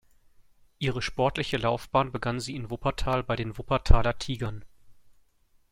Ihre sportliche Laufbahn begann sie in Wuppertal bei den "Wuppertaler Tigern".